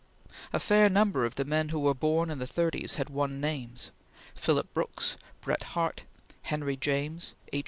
A fair number of the men who were born in the thirties had won names Phillips Brooks; Bret Harte; Henry James; H.